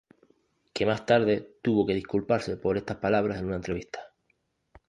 Que más tarde tuvo que disculparse por estas palabras en una entrevista.